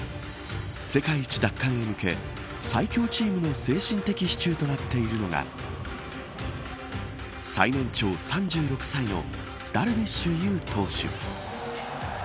世界一奪還に向け最強チームの精神的支柱となっているのが最年長、３６歳のダルビッシュ有投手。